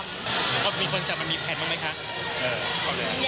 เมื่อก่อนมีคนแสดงมันมีแผนบ้างมั้ยคะ